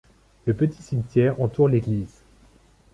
Le petit cimetière entoure l'église.